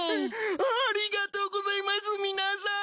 ありがとうございます皆さん！